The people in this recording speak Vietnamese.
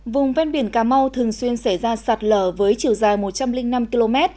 vùng ven biển cà mau thường xuyên xảy ra sạt lở với chiều dài một trăm linh năm km